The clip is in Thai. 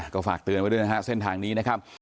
ก็ฝากเตือนไว้ด้วยนะฮะเส้นทางนี้นะครับ